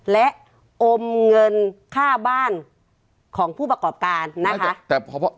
และอมเงินค่าบ้านของผู้ประกอบการนะคะ